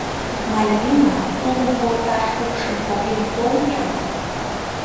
— Мальвина, тулым олташ укшым поген тол-ян.